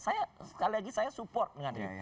saya sekali lagi saya support dengan ya